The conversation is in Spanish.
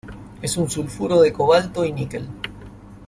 Es un sulfuro de cobalto y níquel.